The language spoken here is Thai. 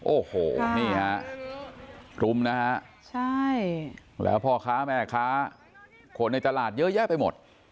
โอ้โหนี่ฮะรุมนะฮะใช่แล้วพ่อค้าแม่ค้าคนในตลาดเยอะแยะไปหมด